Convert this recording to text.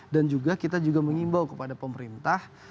dan juga kita mengimbau kepada pemerintah